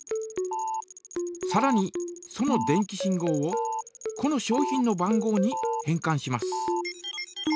さらにその電気信号をこの商品の番号に変かんします。